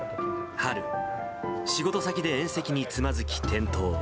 春、仕事先で縁石につまづき転倒。